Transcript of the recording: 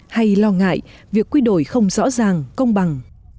hay lo ngại việc quy đổi không rõ ràng công bằng